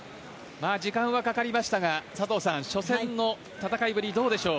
時間はかかりましたが佐藤さん、初戦の戦いぶりどうでしょう。